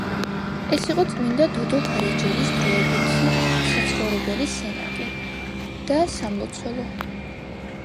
ეს იყო წმინდა დოდო გარეჯელის დროებითი საცხოვრებელი სენაკი და სამლოცველო.